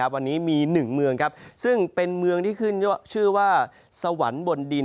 วันนี้มี๑เมืองซึ่งเป็นเมืองที่ขึ้นชื่อว่าสวรรค์บนดิน